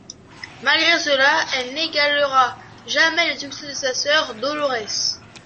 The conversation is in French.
Malgré cela, elle n'égalera jamais le succès de sa sœur Dolores.